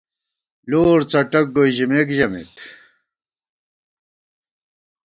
لور څٹک گوئے ژِمېک ژمېت